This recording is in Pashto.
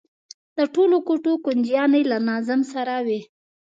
د ټولو کوټو کونجيانې له ناظم سره وي.